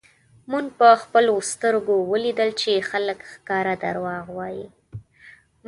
مونږ په خپلو سترږو ولیدل چی خلک ښکاره درواغ وایی